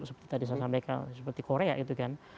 seperti tadi saya sampaikan seperti korea itu kan